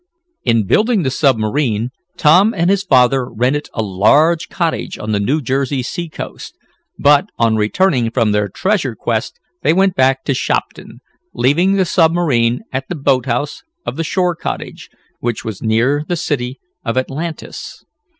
In building the submarine Tom and his father rented a large cottage on the New Jersey seacoast, but, on returning from their treasure quest they went back to Shopton, leaving the submarine at the boathouse of the shore cottage, which was near the city of Atlantis.